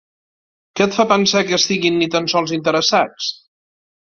Què et fa pensar que estiguin ni tan sols interessats?